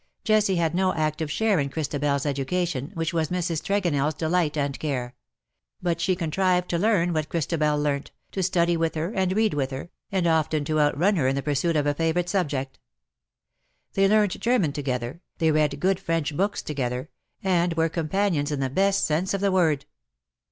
Jessie had no active share in Cliristabel''s education, which vras Mrs. TregonelFs delight and care; but she contrived to learn what Christabel learnt — to study with her and read with her, and often to outrun her in the pursuit of a favourite subject. They learnt German together, they read good French books to gether, and were companions in the best sense of the w^ord.